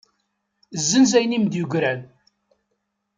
Zzenz ayen i m-d-yegran.